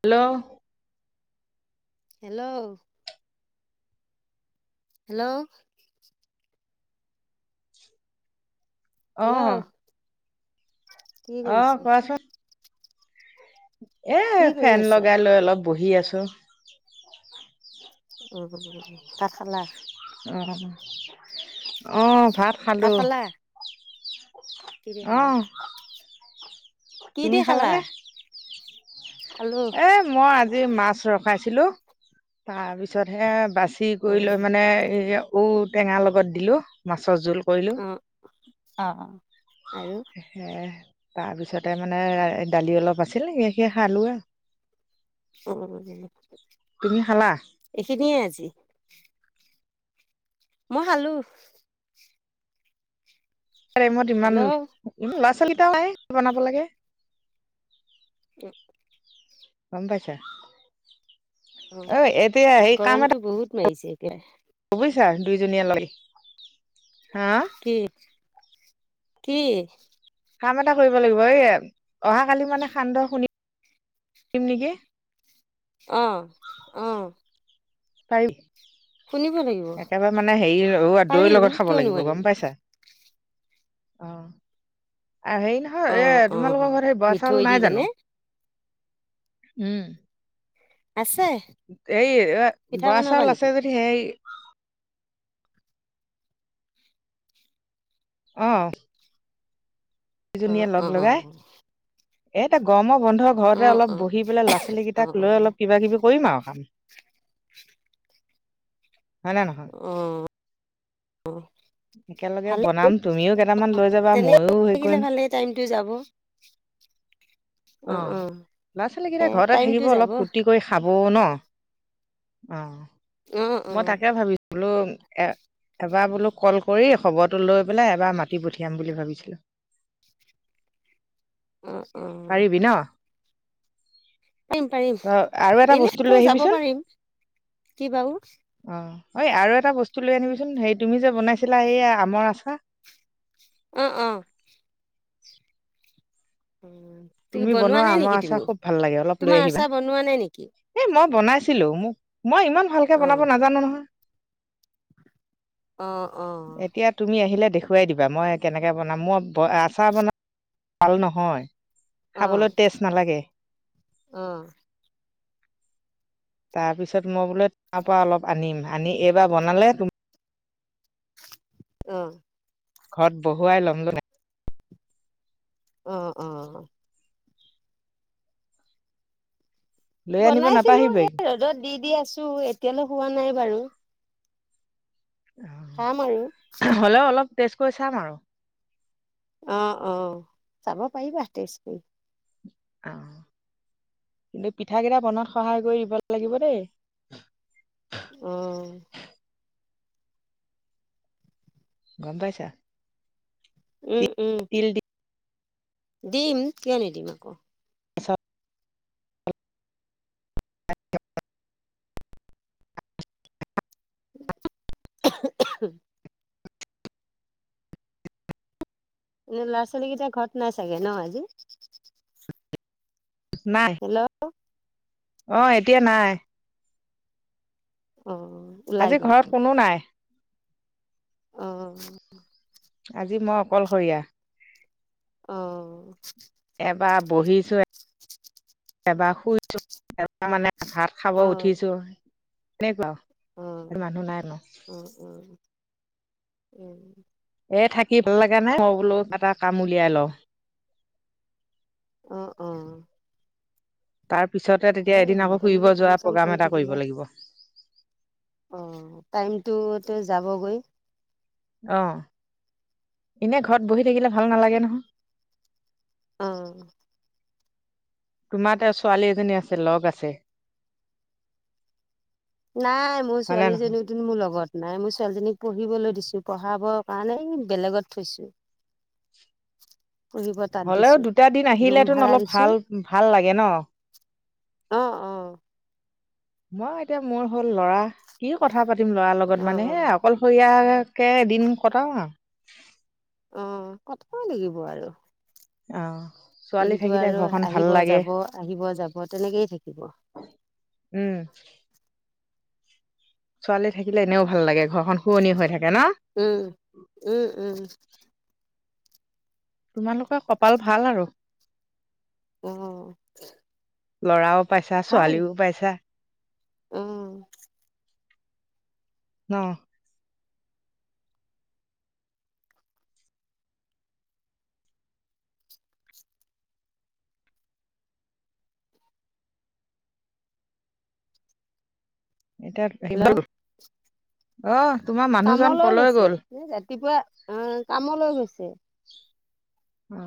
Hello. Hello hello. Hello অ'। কি অ', কৰিছে? কোৱাচোন। এ কি কৰি ফেন আছা? লগাই লৈ অলপ বহি আছো। উ'-উ', ভাত খালা? অ', অ' ভাত খালো। কিদি অ খালা? [inaudible] কি তুমি দি খালা? খালানে খালো এ মই আজি মাছ ৰখাইছিলো, তাৰপিছত হে বাচ চি কৰি লৈ উম মানে এই ঔ টেঙা লগত দিলো, মাছৰ জোল৷ কৰিলো। উম অ অ আৰু সে তাৰপিছতে মানে এ দালি অলপ আছিল সেই সি খালো আ উম, তুমি খালা ইখিনিয়ে আজি? মই খালো। মত ইমান হেল্ল' অ লৰা-ছোৱালীটাও নাই, বনাব লাগে [unintelligible] গম পাইছা। অ', এতিয়া এই কাম এটা মেৰিছে কে ছা দুইজনীয়ে লাগি কি-কি? কাম এটা কৰিব লাগিব, এই অহা কালি মানে সান্দহ খুন্দিম নিকি অ', অ'। ফাই শুনিব লাগিব একেবাৰে মানে হেৰি অ দৈৰ পাৰিম লগত খাব কিয় লাগিব, নোৱাৰিম গম পাইছা। অ'। আৰু হেৰি অ নহয়, এয়া অ তোমালোকৰ ঘৰত সেই বৰা চাউল মিঠৈ দি নাই কেনে জানো? উম। আছ এই এ বৰা চাউল আছে নেকি? যদি সেই অ'। দুজনীয়ে অ' লগ অ'। লগাই [unintelligible] এতিয়া গৰমৰ বন্ধ অ অ ঘৰতে অলপ বহি পেলাই ল'ছালী অ কেইটাক লৈ অ অলপ কিবা-কিবি কৰিম আৰু কাম৷ হয় নে নহয় উম। একেলগে ভালেই, বনাম তুমিও কেইটামান লৈ যাবা তেনেক ময়ো হেৰি থাকিলে কৰিম ভালে টাইমটো যাব। [inaudible] অ', এ ল'ছালীকেইটা ঘৰতে টাইমটো থাকিব যাব অলপ ফূৰ্তি কৰি খাবও ন? অ'। মই উম-উম তাকে ভাবিছো বোলো এ এবাৰ বোলো কল কৰি খবৰটো লৈ পেলাই এবাৰ মাতি পঠিয়াম বুলি ভাবিছিলো। উম-উম পাৰিবি ন অ আৰু এটা এনে বস্তু আকৌ লৈ যাব আহিবিচোন। অ, পাৰিম কি বাৰু অই আৰু এটা বস্তু লৈ আনিবিচোন সে তুমি যে বনাইছিলা সেয়া আমৰ আচাৰ। উম অ। ত তুমি বনোৱা নাই আমাৰ নেকি আচাৰ তুমি খুব ভাল লাগে। অলপ লৈ তোমাৰ আহিবা। আচাৰ বনোৱা নাই নেকি এ মই বনাইছিলো মোক মই ইমান ভালকে অ বনাব নাজানো নহয়। অ অ এতিয়া তুমি আহিলে দেখুৱাই দিবা মই কেনেকৈ বনাম মই আচাৰ বন ভাল নহয়। অ খাবলৈ তেস্ট নালাগে। অ তাৰপিছত মই বোলে তাৰ পৰা অলপ আনিম আনি এইবাৰ বনালে তু অহ। ঘৰত বহুৱাই ল'ম মান অ অ। লৈ আনিব বনাইছিলো নাপাহিবই এ ৰ'দত দি দি আছো এতিয়ালৈ হোৱা নাই বাৰু। খাম আৰু। তেছ কৰি চাম আৰু। অ-অ চাব পাৰিবা তেছ কৰি। অ। কিন্তু পিঠা কেইটা বনাত সহায় কৰি দিব লাগিব দেই। অহ। গম পাইছা? উম-উম। তিল দি ডিম কিয় নিদিম আকৌ। [inaudible] এনে ল'ৰা-ছোৱালী কেইটা ঘৰত নাই চাগে ন আজি? নাই৷ হেল্ল' অহ, এতিয়া নাই। অ ওলাই আজি গ'ল ঘৰত কোনো নাই। অ। আজি মই অকলশৰীয়া। অ। বা বহিছোঁ এবাৰ শুইছো এ মানে ভাত খাব উঠিছো সেনেকুৱা আউ। উম, উম, উম, উম। এ, থাকি ভাল লগা নাই, মই বোলো এটা কাম উলিয়াই লওঁ। আহ, অ। তাৰ পিছতে ভালে তেতিয়া এদিন কৰিলা আকৌ ফুৰিব তেনেকে কাম যোৱা চাম প্ৰগ্ৰাম কৰি এটা কৰিব থাকিলে লাগিব। অ, টাইমটোত যাবগৈ। অ, এনে ঘৰত বহি থাকিলে ভাল নালাগে নহয়। আহ। তোমাৰ এতিয়া ছোৱালী এজনী আছে লগ আছে। নাই মোৰ হয়নে নহয় ছোৱালীজনীতোন মোৰ লগত নাই মই ছোৱালীজনীক পঢ়িবলৈ দিছো, পঢ়াবৰ কাৰণে বেলেগত থৈছো। [inaudible] তাত হ'লেও দিছো দুটা দিন ৰুম আহিলে তুন ভাড়া অলপ দিছো ভাল ভাল লাগে ন? আহ, আহ। মই এতিয়া মোৰ হ'ল লৰা, কি কথা পাতিম লৰা অ লগত মানে হে অ অকলশৰীয়া তাকে দিন কটাও আও। অ কতাব লাগিব আৰু। অ। ছোৱালী দিনটো থাকিলে আৰু ঘৰখন ভাল আহিব লাগে যাব, আহিব যাব, তেনেকেই থাকিব। উম। ছোৱালী থাকিলে এনেও ভাল লাগে, ঘৰখন শুৱনি হৈ থাকে ন? উম উম উম। তোমালোকৰ কপাল ভাল আৰু। অহ। লৰাও পাইছা, ছোৱালীও পাইছা। অহ। অহ। এতিয়া ল [unintelligible] অহ। কামলৈ গৈছে, ৰাতিপুৱা অ কামলৈ গৈছে। অ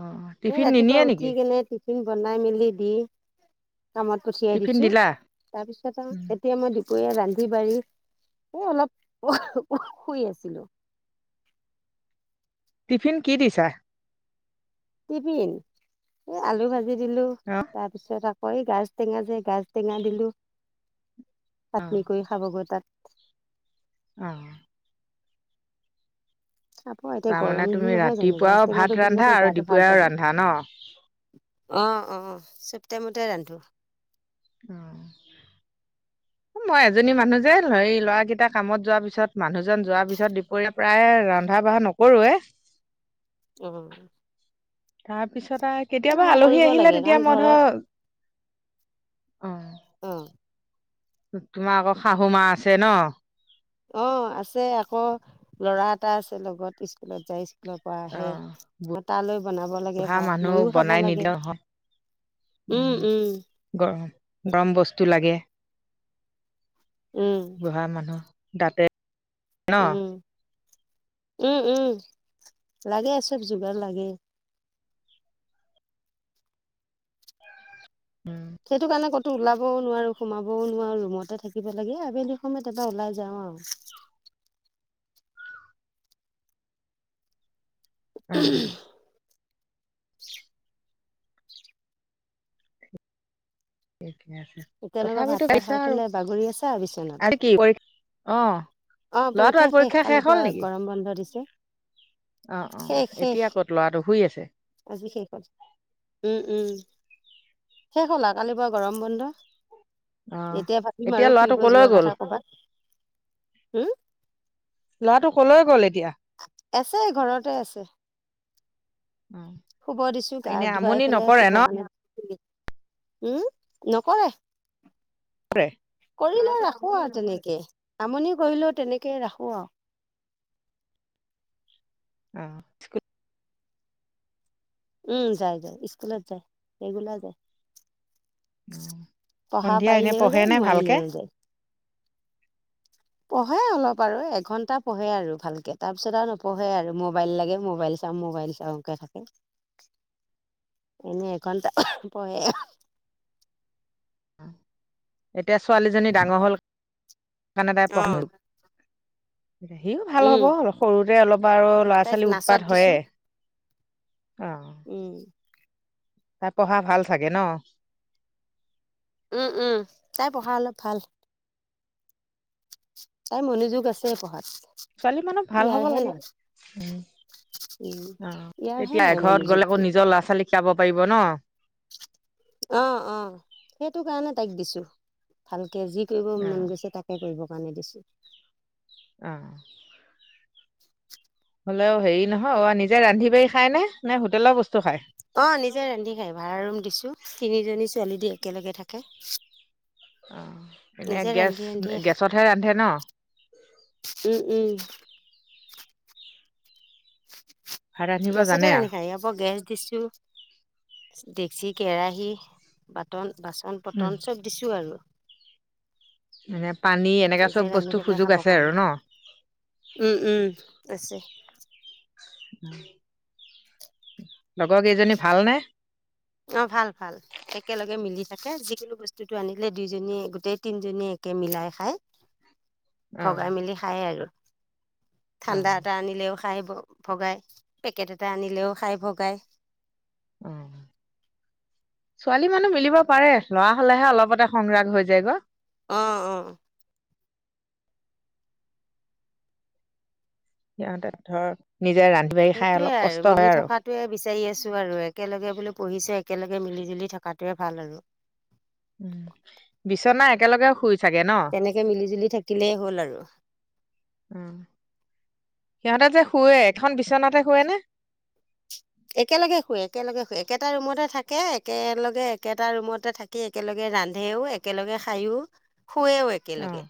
এ টিফিন ৰাতিপুৱা নিনিয়ে নেকি উঠি কেনে টিফিন বনাই মেলি দি, কামত পঠিয়াই টিফিন দিছো। দিলা তাৰপিছত আৰু এতিয়া মই দুপৰীয়া ৰান্ধি বাঢ়ি, এ অলপ শুই আছিলো। টিফিন কি দিছা? টিফিন এই আলু ভাজি দিলো, অ তাৰ পিছত আকৌ হয় গাজ টেঙা যে গাজ টেঙা দিলোঁ, অ চাটনি কৰি খাবগৈ তাত। অহ। চাব এতিয়া তাৰমানে গৰম তুমি দিন নহয় জানো গাজ ৰাতিপুৱাও ভাত টেঙাটো ৰান্ধা দিলে আৰু গাটো ভাল দুপৰীয়াও পাব। ৰান্ধা ন? অ অ চেপটেম মতে ৰান্ধো। অহ। [inaudible] মই এজনী মানুহ যে এই ল'ৰাকেইটা কামত যোৱাৰ পিছত মানুহজন যোৱাৰ পিছত দুপৰীয়া প্ৰায় ৰান্ধ- বহা নকৰোৱে। উম। তাৰপিছত আৰু কেতিয়াবা আলহী আহিলে লাগে তেতিয়া কাৰণ মই ঘৰত ধৰ অহ। অ', তোমাৰ আকৌ শাহু মা আছে ন? অ আছে। আকৌ ল'ৰা এটা আছে লগত স্কুলত যাই। পৰা আহে আৰু তালৈ বনাব লাগে বুঢ়া ভাত, মানুহ মইও খাব বনাই লাগে। নিদিয়া নহয় উম গৰম গৰম বস্তু লাগে। উম। বুঢ়া মানুহ দাঁতে, ন? উম উম উম। লাগে চব যোগাৰ লাগে। উম, সেইটো কাৰণে ক'তো ওলাব নোৱাৰো, সোমাবও নোৱাৰো ৰুমতে থাকিব লাগে, আবেলি সময়ত এব পৰা ওলাই যাওঁ। [unintelligible] [inaudible] অহ। ঠিকে আছে তেনেকুৱা তথাপিতো ভাত চাত পাইছা খাই আৰু পেলাই বাগৰি আছে আৰু আজি বিচনাত। কি পৰীক্ষা অ অ ল'ৰাটো পৰীক্ষা আজি শেষ, কালি হ'ল পুৱা নেকি? গৰম বন্ধ দিছে। অ', অ', শেষ শেষ, এতিয়া ক'ত ল'ৰাটো শুই আছে আজি শেষ হল। উম উম শেষ হলা, কালি পৰা গৰম বন্ধ। অ', এতিয়া ভাবিম আৰু ল'ৰাটো ফুৰিব কলৈ যোৱাৰ গ'ল? কথা ক'বাত। উম ল'ৰাটো কলৈ গ'ল এতিয়া। আছে ঘৰতে আছে। অ', শুব দিছো গা এনে আমনি ধুৱাই পেলাই নকৰে শুব ন? মানে। উম নকৰে। কৰে। কৰিলে ৰাখো আৰু তেনেকে, আমনি কৰিলেও তেনেকে ৰাখো আৰু। [inaudible] অ উম যাই যায় স্কুলত যায় ৰেগুলাৰ যায় [unintelligible] অ'। পঢ়া সন্ধিয়া এনে পাৰিলেও পঢ়ে যায় নে ভালকে? নোৱাৰিলেও যায় পঢ়ে অলপ আৰু এঘণ্টা পঢ়ে আৰু ভালকৈ তাৰপিছত আৰু নপঢ়ে আৰু মোবাইল লাগে মোবাইল চাম ম [unintelligible] মোবাইল চাওকে থাকে এনেই এঘণ্টা পঢ়ে এতিয়া ছোৱালীজনী ডাঙৰ হল কাৰণে তাই সিও ভাল উম হব সৰুতে অলপ আৰু ল'ৰা তাইক ছোৱালী নাচত উৎপাত দিছো হয়ে অ উম তাই পঢ়া ভাল চাগে ন উম উম তাই পঢ়া অলপ ভাল তাই মনোযোগ আছে পঢ়াত ছোৱালী মানুহ ভাল হ'ব ইয়াৰহে লাগে নাই উম উম অ ইয়াৰহে তেতিয়া নাই এঘৰত গ'লে আকৌ মনোযোগটো নিজৰ ল'ৰা ছোৱালীক সিকাব পাৰিব ন অ অ সেইটো কাৰণে তাইক দিছো ভাল কে যি কৰিব মন অ', গৈছে তাকে কৰিবৰ কাৰণে দিছো অ [inaudible] হ'লে হেৰি নহয় অ নিজে ৰান্ধি খাই নে হোটেলৰ বস্তু খায়? অ নিজে ৰান্ধি খাই ভাড়া ৰুম দিছো তিনিজনী ছোৱালী দি একেলগে থাকে অ এনেই নিজে গেছ ৰান্ধি ৰান্ধিয়ে খায় গেছতহে ৰান্ধে ন উম উম ভাত ৰান্ধিব গেছতে জানে ৰান্ধি আৰু খায় আকৌ গেছ দিছো ডেকচি কেৰাহী বাটন বাচন পটন চব দিছো আৰু মানে পানী এনেকা নিজে চব ৰান্ধি বস্তু পেলাই সুযোগ খাবৰ আছে কাৰণে আৰু ন উম উম আছে লগৰ কেইজনী ভালনে অ ভাল ভাল একেলগে মিলি থাকে যিকোনো বস্তুটো আনিলে দুইজনীয়ে গোটেই তিনজনীয়ে তাকে মিলাই খাই অঁ ভগাই মেলি খায় আৰু অঁ ঠাণ্ডা এটা আনিলেও খাই ভগাই পেকেট এটা আনিলেও খাই ভগায় অ ছোৱালী মানুহ মিলিব পাৰে লৰা হলেহে অলপতে খং ৰাগ হৈ যায় গৈ অ অ সিহঁতে ধৰ নিজে ৰান্ধি বাঢ়ি খাই সেইটোয়ে অলপ কষ্ট আৰু মিলি হয় আৰু থকাতোৱে বিচাৰি আছো আৰু একেলগে বোলোঁ পঢ়িচে একেলগে মিলি জুলি থকাটোৱে ভাল হৈছে উম বিচনা একেলগে শুইছ তেনেকে মিলি জুলি থাকিলেই হ'ল আৰু। অঁ সিহঁতে যে শুৱে এখন বিচনাতে শুৱে নে একেলগে শুৱে একেলগে শুৱে একেটা ৰুমতে থাকে একেলগে একেটা ৰুমতে থাকি একেলগে ৰান্ধেও একেলগে খায়ো শুৱেও একেলগে। অঁ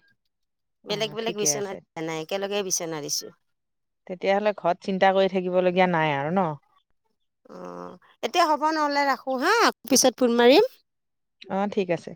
বেলেগ অঁ বেলেগ ঠিকে বিচনা আছে দিয়া নাই একেলগে বিচনা দিছো। তেতিয়াহ'লে ঘৰত চিন্তা কৰি থাকিবলগীয়া নাই আৰু ন। অ এতিয়া হ'ব নহ'লে ৰাখো হা পিছত ফোন মাৰিম। অ ঠিক আছে